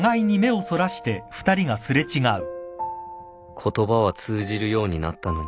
言葉は通じるようになったのに